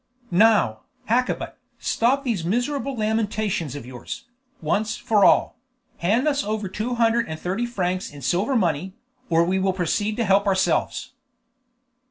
"Now, Hakkabut, stop these miserable lamentations of yours, once for all. Hand us over two hundred and thirty francs in silver money, or we will proceed to help ourselves."